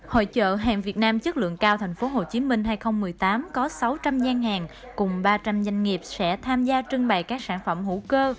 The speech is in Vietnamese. hội chợ hàng việt nam chất lượng cao tp hcm hai nghìn một mươi tám có sáu trăm linh gian hàng cùng ba trăm linh doanh nghiệp sẽ tham gia trưng bày các sản phẩm hữu cơ